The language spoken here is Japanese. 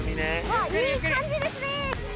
いい感じですね！